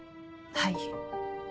はい。